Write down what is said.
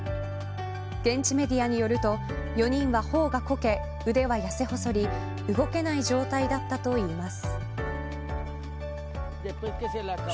現地メディアによると４人は頬がこけ、腕はやせ細り動けない状態だったといいます。